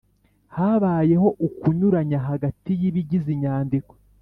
Habayeho ukunyuranya hagati y ibigize inyandiko